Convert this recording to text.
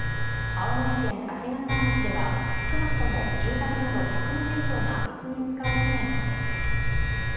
青森県鰺ヶ沢町では少なくとも住宅など１００棟以上が水につかる被害が出ています。